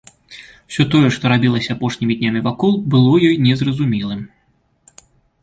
Усё тое, што рабілася апошнімі днямі вакол, было ёй незразумелым.